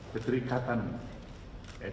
keterikatan etik dan moralitas kita